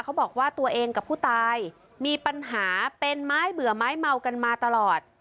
เขาบอกว่าตัวเองกับผู้ตายมีปัญหาเป็นไม้เบื่อไม้เมากันมาตลอด